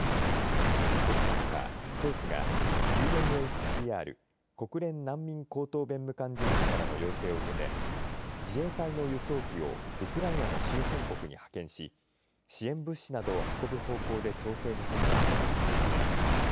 こうした中、政府がＵＮＨＣＲ国連難民高等弁務官事務所からの要請を受けて自衛隊の輸送機をウクライナの周辺国に派遣し支援物資などを運ぶ方向で調整に入ったことが分かりました。